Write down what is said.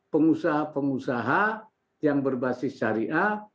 pengusaha pengusaha yang berbasis syariah